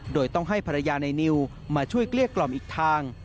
โดยต้องให้ภรรยาในนิวมาช่วยเกลี้ยกล่อมอีกทาง